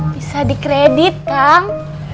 bisa dikredit kang